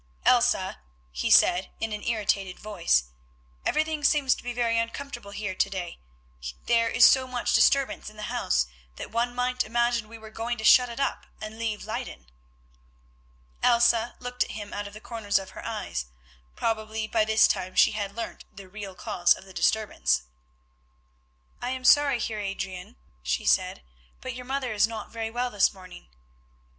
"Elsa," he said, in an irritated voice, "everything seems to be very uncomfortable here to day, there is so much disturbance in the house that one might imagine we were going to shut it up and leave Leyden." Elsa looked at him out of the corners of her eyes; probably by this time she had learnt the real cause of the disturbance. "I am sorry, Heer Adrian," she said, "but your mother is not very well this morning."